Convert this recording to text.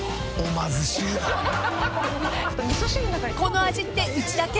［この味ってうちだけ？